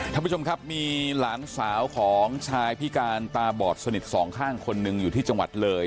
ท่านผู้ชมครับมีหลานสาวของชายพิการตาบอดสนิทสองข้างคนหนึ่งอยู่ที่จังหวัดเลย